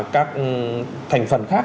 các thành phần khác